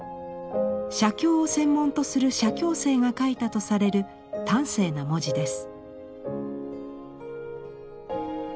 写経を専門とする写経生が書いたとされる端正な文字です。